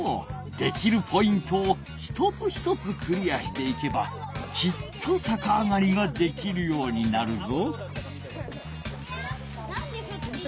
できるポイントを一つ一つクリアしていけばきっとさかあがりができるようになるぞ。